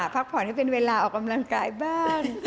พักผ่อนให้เป็นเวลาออกกำลังกายบ้าง